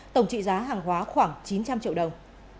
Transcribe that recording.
tổng trị giá hàng hóa khoảng chín trăm linh triệu đồng